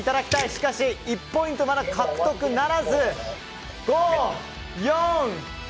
しかし１ポイントまだ獲得ならず。